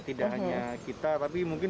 tidak hanya kita tapi mungkin